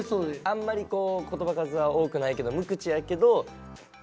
あんまり言葉数は多くないけど無口やけど天然っぽい感じ。